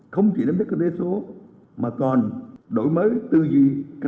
không chỉ nắm chất kinh tế số mà còn đổi mới